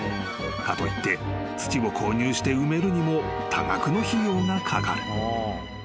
［かといって土を購入して埋めるにも多額の費用がかかる］